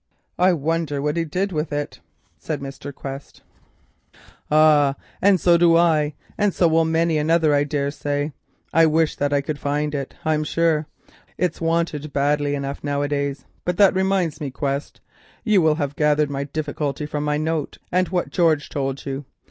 "I wonder what he did with it," said Mr. Quest. "Ah, so do I, and so will many another, I dare say. I wish that I could find it, I'm sure. It's wanted badly enough now a days. But that reminds me, Quest. You will have gathered my difficulty from my note and what George told you.